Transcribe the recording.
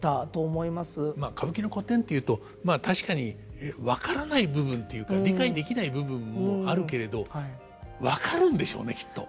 まあ歌舞伎の古典というとまあ確かに分からない部分ていうか理解できない部分もあるけれど分かるんでしょうねきっと。